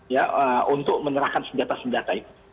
ya untuk menyerahkan senjata senjata itu